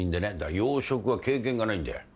洋食は経験がないんだよ。